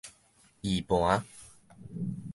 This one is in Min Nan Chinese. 字盤